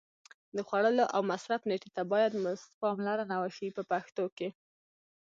د خوړلو او مصرف نېټې ته باید پاملرنه وشي په پښتو کې.